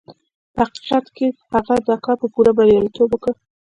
په حقيقت کې هغه دا کار په پوره برياليتوب وکړ.